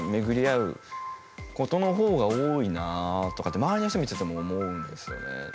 ことの方が多いなとかって周りの人を見ていても思うんですよね。